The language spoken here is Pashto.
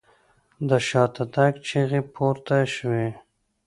د شاته تګ چيغې پورته شوې.